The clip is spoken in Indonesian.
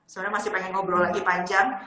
sebenarnya masih pengen ngobrol lagi panjang